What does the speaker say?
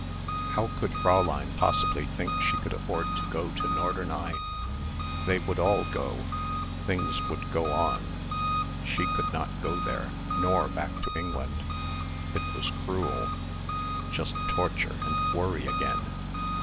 How could Fräulein possibly think she could afford to go to Norderney? They would all go. Things would go on. She could not go there nor back to England. It was cruel ... just torture and worry again